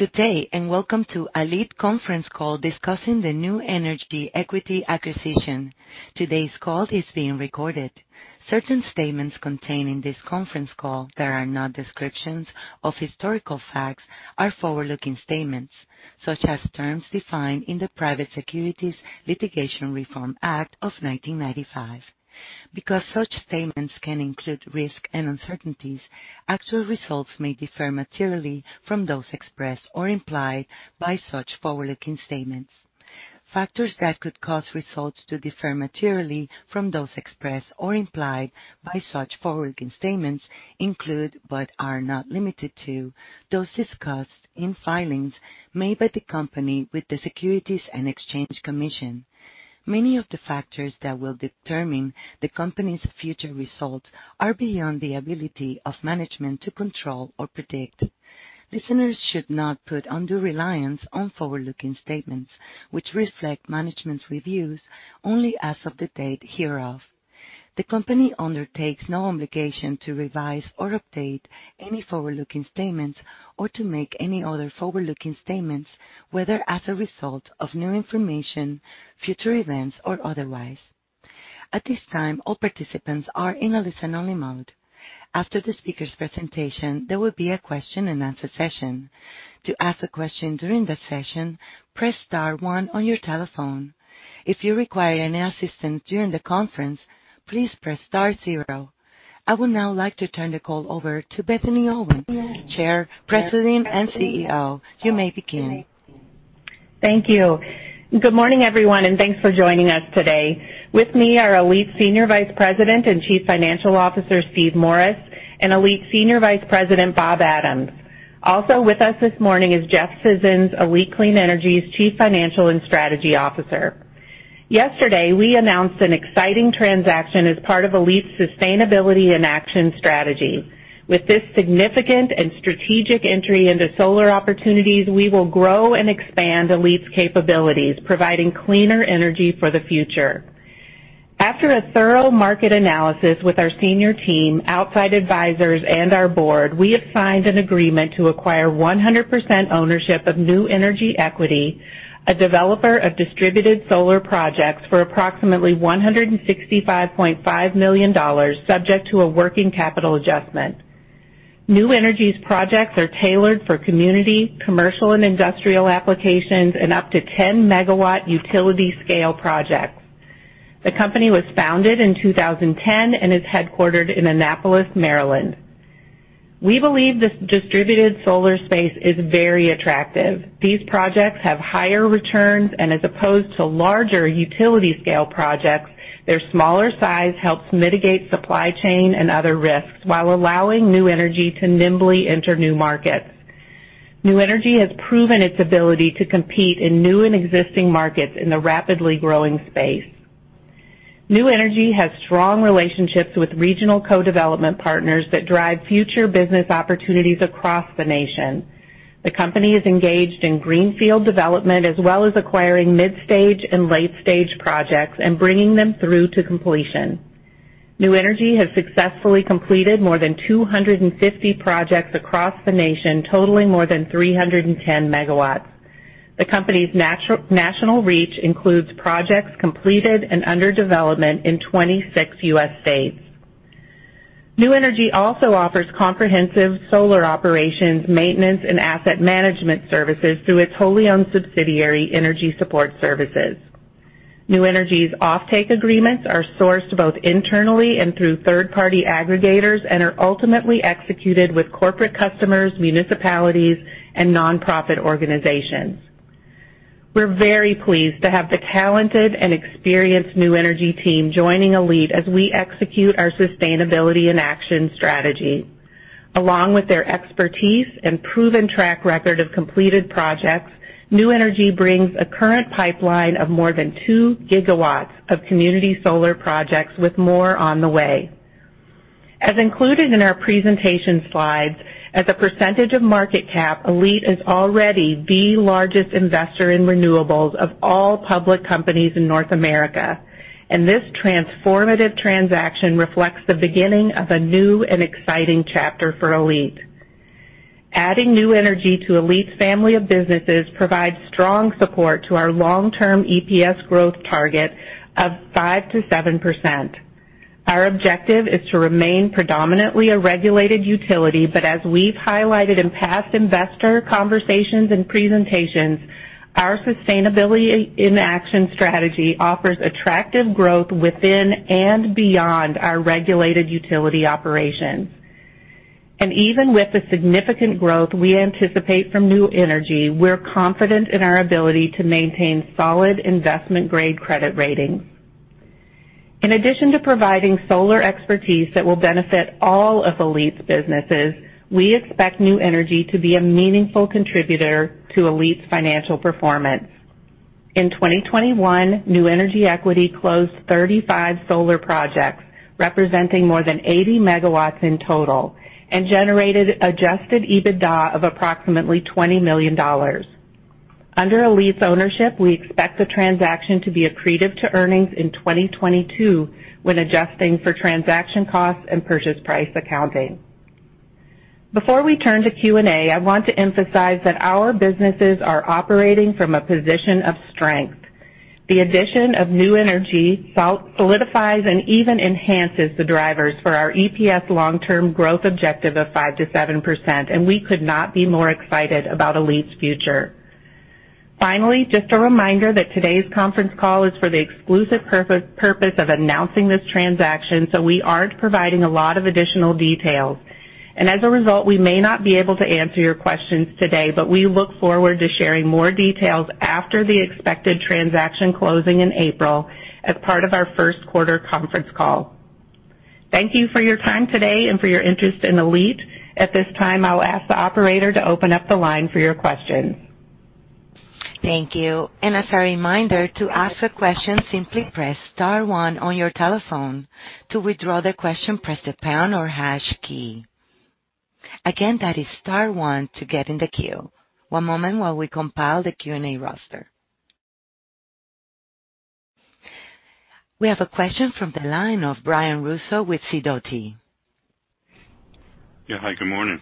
Good day, and welcome to ALLETE Conference Call discussing the New Energy Equity acquisition. Today's call is being recorded. Certain statements contained in this conference call that are not descriptions of historical facts are forward-looking statements, such as terms defined in the Private Securities Litigation Reform Act of 1995. Because such statements can include risks and uncertainties, actual results may differ materially from those expressed or implied by such forward-looking statements. Factors that could cause results to differ materially from those expressed or implied by such forward-looking statements include, but are not limited to, those discussed in filings made by the company with the Securities and Exchange Commission. Many of the factors that will determine the company's future results are beyond the ability of management to control or predict. Listeners should not put undue reliance on forward-looking statements, which reflect management's reviews only as of the date hereof. The company undertakes no obligation to revise or update any forward-looking statements or to make any other forward-looking statements, whether as a result of new information, future events, or otherwise. At this time, all participants are in a listen-only mode. After the speaker's presentation, there will be a question-and-answer session. To ask a question during that session, press star one on your telephone. If you require any assistance during the conference, please press star zero. I would now like to turn the call over to Bethany Owen, Chair, President, and CEO. You may begin. Thank you. Good morning, everyone, and thanks for joining us today. With me are ALLETE Senior Vice President and Chief Financial Officer, Steven Morris, and ALLETE Senior Vice President, Robert Adams. Also with us this morning is Jeff Scissons, ALLETE Clean Energy's Chief Financial and Strategy Officer. Yesterday, we announced an exciting transaction as part of ALLETE's Sustainability-in-Action strategy. With this significant and strategic entry into solar opportunities, we will grow and expand ALLETE's capabilities, providing cleaner energy for the future. After a thorough market analysis with our senior team, outside advisors, and our board, we have signed an agreement to acquire 100% ownership of New Energy Equity, a developer of distributed solar projects, for approximately $165.5 million, subject to a working capital adjustment. New Energy Equity's projects are tailored for community, commercial, and industrial applications, and up to 10-MW utility-scale projects. The company was founded in 2010 and is headquartered in Annapolis, Maryland. We believe this distributed solar space is very attractive. These projects have higher returns, and as opposed to larger utility-scale projects, their smaller size helps mitigate supply chain and other risks while allowing New Energy Equity to nimbly enter new markets. New Energy Equity has proven its ability to compete in new and existing markets in the rapidly growing space. New Energy Equity has strong relationships with regional co-development partners that drive future business opportunities across the nation. The company is engaged in greenfield development as well as acquiring mid-stage and late-stage projects and bringing them through to completion. New Energy has successfully completed more than 250 projects across the nation, totaling more than 310 MW. The company's national reach includes projects completed and under development in 26 U.S. states. New Energy also offers comprehensive solar operations, maintenance, and asset management services through its wholly owned subsidiary, Energy Support Services. New Energy's offtake agreements are sourced both internally and through third-party aggregators and are ultimately executed with corporate customers, municipalities, and nonprofit organizations. We're very pleased to have the talented and experienced New Energy team joining ALLETE as we execute our Sustainability-in-Action strategy. Along with their expertise and proven track record of completed projects, New Energy brings a current pipeline of more than 2 GW of community solar projects with more on the way. As included in our presentation slides, as a percentage of market cap, ALLETE is already the largest investor in renewables of all public companies in North America. This transformative transaction reflects the beginning of a new and exciting chapter for ALLETE. Adding New Energy to ALLETE's family of businesses provides strong support to our long-term EPS growth target of 5%-7%. Our objective is to remain predominantly a regulated utility, but as we've highlighted in past investor conversations and presentations, our Sustainability-in-Action strategy offers attractive growth within and beyond our regulated utility operations. Even with the significant growth we anticipate from New Energy, we're confident in our ability to maintain solid investment-grade credit ratings. In addition to providing solar expertise that will benefit all of ALLETE's businesses, we expect New Energy to be a meaningful contributor to ALLETE's financial performance. In 2021, New Energy Equity closed 35 solar projects, representing more than 80 MW in total, and generated adjusted EBITDA of approximately $20 million. Under ALLETE's ownership, we expect the transaction to be accretive to earnings in 2022 when adjusting for transaction costs and purchase price accounting. Before we turn to Q&A, I want to emphasize that our businesses are operating from a position of strength. The addition of New Energy Equity solidifies and even enhances the drivers for our EPS long-term growth objective of 5%-7%, and we could not be more excited about ALLETE's future. Finally, just a reminder that today's conference call is for the exclusive purpose of announcing this transaction, so we aren't providing a lot of additional details. As a result, we may not be able to answer your questions today, but we look forward to sharing more details after the expected transaction closing in April as part of our first quarter conference call. Thank you for your time today and for your interest in ALLETE. At this time, I'll ask the operator to open up the line for your questions. Thank you. As a reminder, to ask a question, simply press star one on your telephone. To withdraw the question, press the pound or hash key. Again, that is star one to get in the queue. One moment while we compile the Q&A roster. We have a question from the line of Brian Russo with Sidoti & Company. Yeah. Hi, good morning.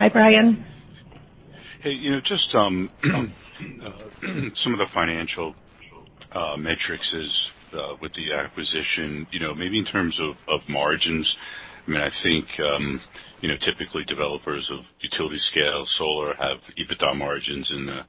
Hi, Brian. Hey, you know, just some of the financial metrics is with the acquisition, you know, maybe in terms of margins. I mean, I think you know, typically developers of utility-scale solar have EBITDA margins in the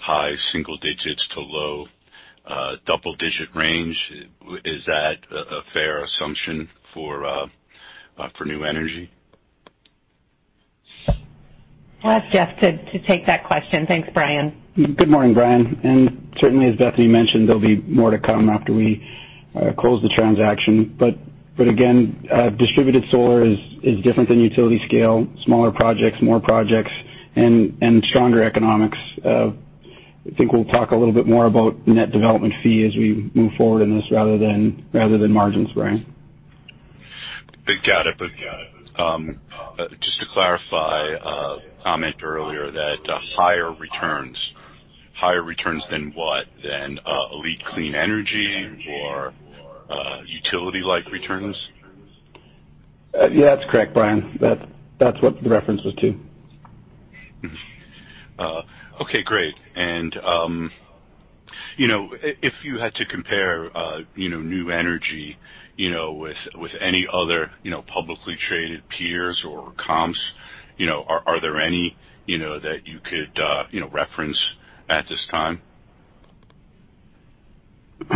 high single digits to low double digit range. Is that a fair assumption for New Energy? I'll ask Jeff to take that question. Thanks, Brian. Good morning, Brian. Certainly as Bethany mentioned, there'll be more to come after we close the transaction. Again, distributed solar is different than utility scale. Smaller projects, more projects and stronger economics. I think we'll talk a little bit more about net development fee as we move forward in this rather than margins, Brian. Got it. Just to clarify a comment earlier that higher returns. Higher returns than what? Than, ALLETE Clean Energy or, utility-like returns? Yeah, that's correct, Brian. That's what the reference was to. Okay, great. You know, if you had to compare, you know, New Energy, you know, with any other, you know, publicly traded peers or comps, you know, are there any, you know, that you could, you know, reference at this time?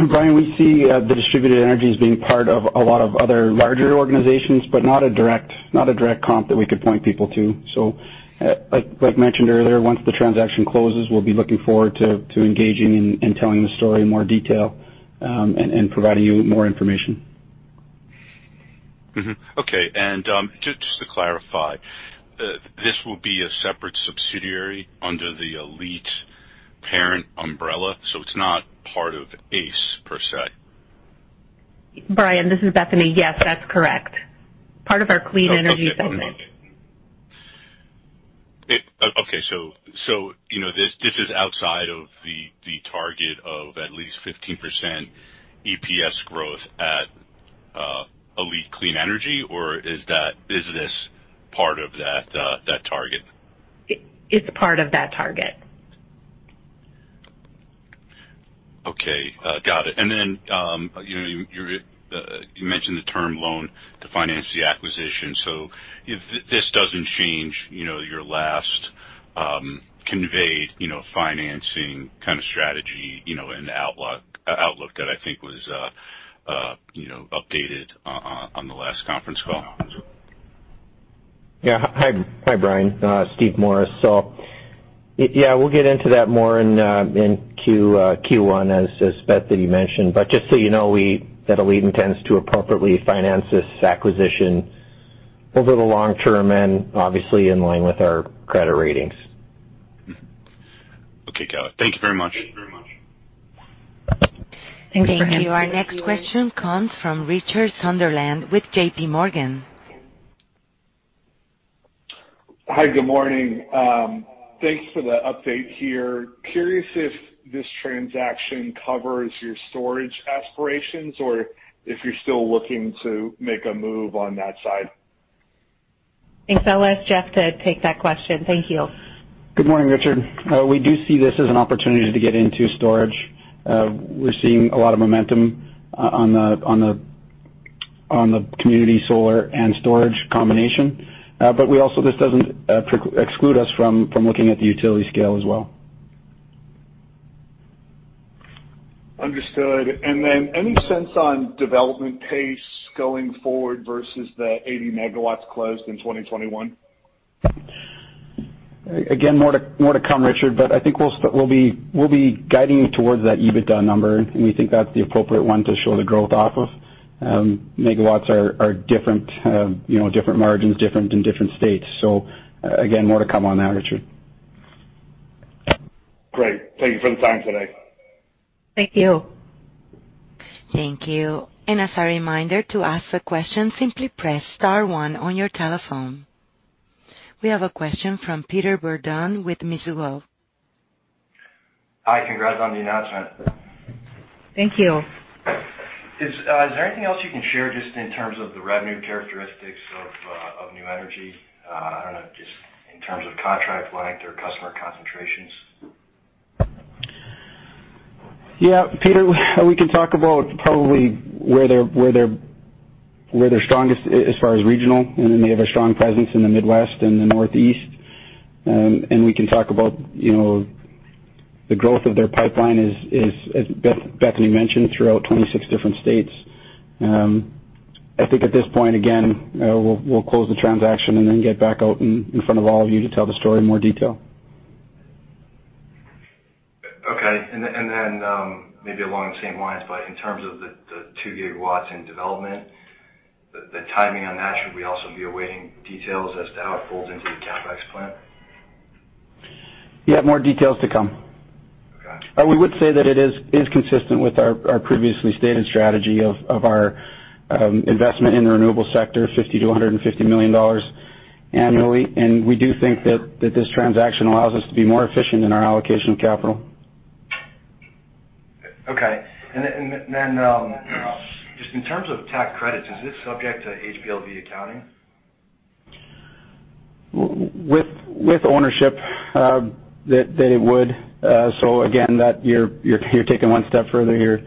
Brian, we see the distributed energies being part of a lot of other larger organizations, but not a direct comp that we could point people to. Like mentioned earlier, once the transaction closes, we'll be looking forward to engaging and telling the story in more detail, and providing you more information. Mm-hmm. Okay. Just to clarify, this will be a separate subsidiary under the ALLETE parent umbrella, so it's not part of ACE per se? Brian, this is Bethany. Yes, that's correct. Part of our clean energy segment. Okay. You know, this is outside of the target of at least 15% EPS growth at ALLETE Clean Energy, or is that, is this part of that target? It's a part of that target. Okay, got it. You know, you mentioned the term loan to finance the acquisition. If this doesn't change, you know, your last conveyed, you know, financing kind of strategy, you know, and outlook that I think was, you know, updated on the last conference call. Hi, Brian. Steven Morris. Yeah, we'll get into that more in Q1, as Bethany mentioned. But just so you know, that ALLETE intends to appropriately finance this acquisition over the long term and obviously in line with our credit ratings. Okay, got it. Thank you very much. Thank you. Our next question comes from Richard Sunderland with J.P. Morgan. Hi, good morning. Thanks for the update here. Curious if this transaction covers your storage aspirations or if you're still looking to make a move on that side. Thanks. I'll ask Jeff to take that question. Thank you. Good morning, Richard. We do see this as an opportunity to get into storage. We're seeing a lot of momentum on the community solar and storage combination. We also, this doesn't exclude us from looking at the utility scale as well. Understood. Any sense on development pace going forward versus the 80 MW closed in 2021? Again, more to come, Richard, but I think we'll be guiding towards that EBITDA number, and we think that's the appropriate one to show the growth off of. Megawatts are different, you know, different margins, different in different states. Again, more to come on that, Richard. Great. Thank you for the time today. Thank you. Thank you. As a reminder to ask a question, simply press star one on your telephone. We have a question from Paul Fremont with Mizuho. Hi. Congrats on the announcement. Thank you. Is there anything else you can share just in terms of the revenue characteristics of New Energy? I don't know, just in terms of contract length or customer concentrations. Yeah. Paul Fremont, we can talk about probably where they're strongest as far as regional. They have a strong presence in the Midwest and the Northeast. We can talk about, you know, the growth of their pipeline is, as Bethany mentioned, throughout 26 different states. I think at this point, again, we'll close the transaction and then get back out in front of all of you to tell the story in more detail. Maybe along the same lines, but in terms of the 2 gW in development, the timing on that, should we also be awaiting details as to how it folds into the CapEx plan? You have more details to come. Okay. I would say that it is consistent with our previously stated strategy of our investment in the renewable sector, $50 million-$150 million annually. We do think that this transaction allows us to be more efficient in our allocation of capital. Just in terms of tax credits, is this subject to HLBV accounting? With ownership, so again, that you're taking one step further here,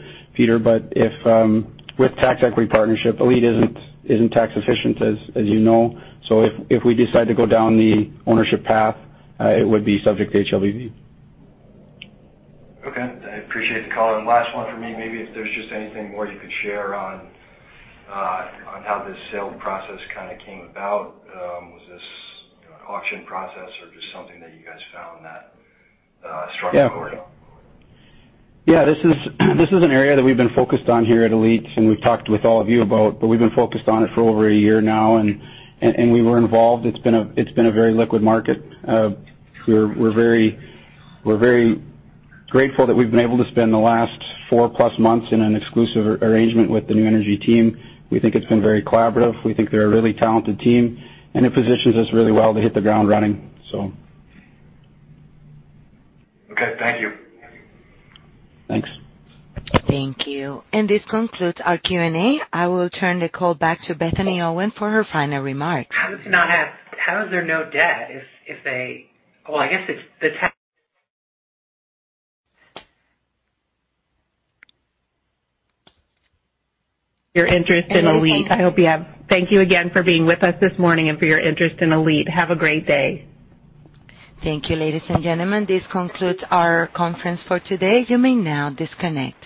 Paul. If, with tax equity partnership, ALLETE isn't tax efficient, as you know. If we decide to go down the ownership path, it would be subject to HLBV. Okay. I appreciate the call. Last one for me. Maybe if there's just anything more you could share on how this sale process kinda came about. Was this an auction process or just something that you guys found that, Yeah. Struck a chord? Yeah. This is an area that we've been focused on here at ALLETE, and we've talked with all of you about, but we've been focused on it for over a year now, and we were involved. It's been a very liquid market. We're very grateful that we've been able to spend the last four-plus months in an exclusive arrangement with the New Energy team. We think it's been very collaborative. We think they're a really talented team, and it positions us really well to hit the ground running, so. Okay, thank you. Thanks. Thank you. This concludes our Q&A. I will turn the call back to Bethany Owen for her final remarks. Thank you for your interest in ALLETE. Thank you again for being with us this morning and for your interest in ALLETE. Have a great day. Thank you, ladies and gentlemen. This concludes our conference for today. You may now disconnect.